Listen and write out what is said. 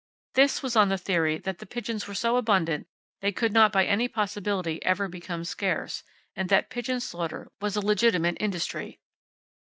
This was on the theory that the pigeons were so abundant they could not by any possibility ever become scarce, and that pigeon slaughter was a legitimate industry.